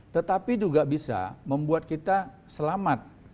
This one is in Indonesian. tetapi juga bisa membuat kita selamat